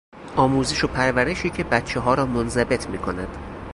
آموزش و پرورشی که بچهها را منضبط میکند.